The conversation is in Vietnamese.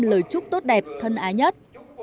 lời chúc tốt đẹp thân ái nhất